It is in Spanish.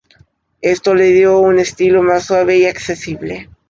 Esto le dio un estilo más suave y accesible.